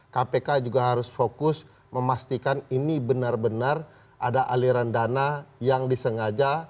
kpk juga harus fokus memastikan ini benar benar ada aliran dana yang disengaja